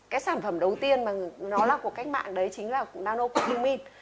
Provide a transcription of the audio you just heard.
cái sản phẩm đầu tiên mà nó là cuộc cách mạng đấy chính là nano cu cu min